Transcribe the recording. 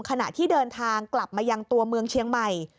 ขณะที่เดินทางกลับมายังตัวเมืองเชียงใหม่